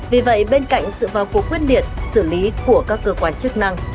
vì vậy bên cạnh sự vào cuộc quyết liệt xử lý của các cơ quan chức năng